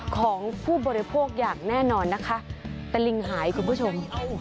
ของผู้บริโภคอย่างแน่นอนนะคะแต่ลิงหายคุณผู้ชม